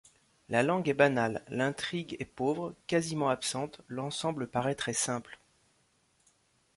La langue est banale, l'intrigue est pauvre, quasiment absente, l'ensemble paraît très simple.